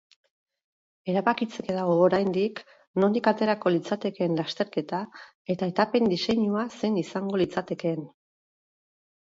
Erabakitzeke dago oraindik nondik aterako litzatekeen lasterketa eta etapen diseinua zein izango litzaketeen.